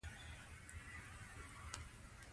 په ښوونځیو کې روسي فرهنګ تدریس کېده.